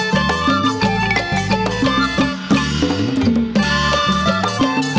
กลับมาที่สุดท้าย